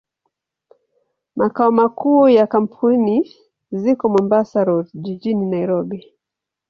Makao makuu ya kampuni ziko Mombasa Road, jijini Nairobi.